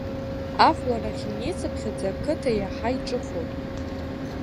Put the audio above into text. Ахәларахь инеицыԥхьаӡа ақыҭа иаҳа иҿыхон.